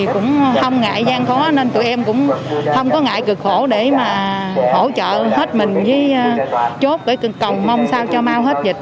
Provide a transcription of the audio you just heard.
cũng không ngại gian khó nên tụi em cũng không có ngại cực khổ để mà hỗ trợ hết mình với chốt để cầu mong sao cho mau hết dịch